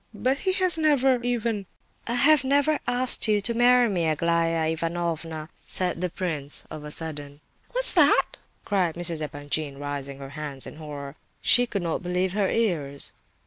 "But he has never even—" "I have never asked you to marry me, Aglaya Ivanovna!" said the prince, of a sudden. "What?" cried Mrs. Epanchin, raising her hands in horror. "What's that?" She could not believe her ears.